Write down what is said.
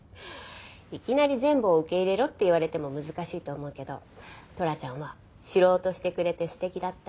いきなり全部を受け入れろって言われても難しいと思うけどトラちゃんは知ろうとしてくれて素敵だったよ。